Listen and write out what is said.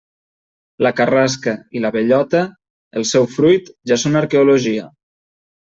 La carrasca, i la bellota, el seu fruit, ja són arqueologia.